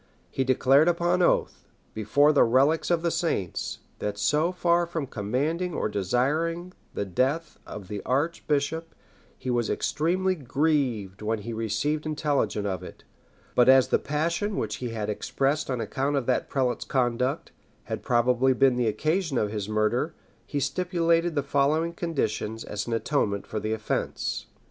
He declared upon oath, before the relics of the saints, that so far from commanding or desiring the death of the arch bishop, he was extremely grieved when he received intelligence of it; but as the passion which he had expressed on account of that prelate's conduct, had probably been the occasion of his murder, he stipulated the following conditions as an atonement for the offence.